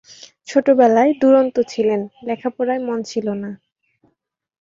ছোট বেলায় দুরন্ত ছিলেন, লেখাপড়ায় মন ছিল না।